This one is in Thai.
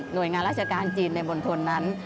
หน่วยงานราชการจีนในมณฑลนั้น